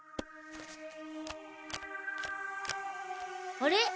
あれ？